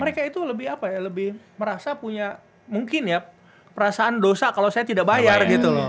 mereka itu lebih apa ya lebih merasa punya mungkin ya perasaan dosa kalau saya tidak bayar gitu loh